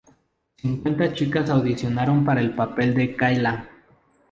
Cincuenta chicas audicionaron para el papel de Kayla.